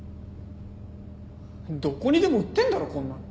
どこにでも売ってんだろこんなの。